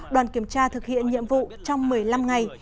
đoàn kiểm tra thực hiện nhiệm vụ trong một mươi năm ngày